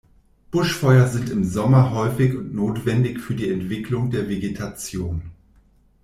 Buschfeuer sind im Sommer häufig und notwendig für die Entwicklung der Vegetation.